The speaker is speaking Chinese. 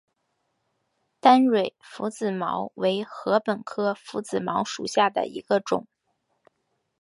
单蕊拂子茅为禾本科拂子茅属下的一个种。